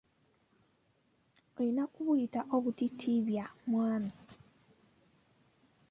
Olina kubuyita obutiitiibyamwami.